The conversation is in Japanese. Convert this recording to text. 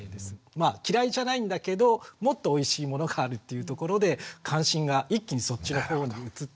まあ嫌いじゃないんだけどもっとおいしいものがあるっていうところで関心が一気にそっちのほうに移ってしまう。